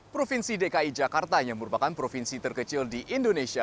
provinsi dki jakarta yang merupakan provinsi terkecil di indonesia